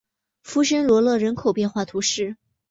弗什罗勒人口变化图示